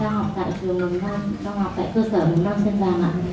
đang học tại cơ sở mầm non xen vàng